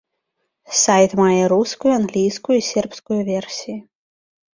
Сайт мае рускую, англійскую і сербскую версіі.